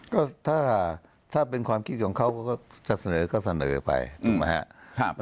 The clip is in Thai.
ก็ถ้าถ้าเป็นความคิดของเขาก็เสนอก็เสนอไปถูกมั้ยฮะ